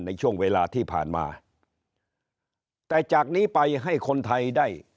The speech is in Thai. ในช่วงเวลาที่ผ่านมาแต่จากนี้ไปให้คนไทยได้